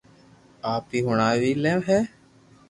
آپ ھي ھڻاو وي لي ھي